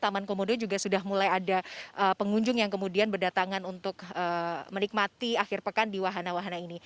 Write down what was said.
taman komodo juga sudah mulai ada pengunjung yang kemudian berdatangan untuk menikmati akhir pekan di wahana wahana ini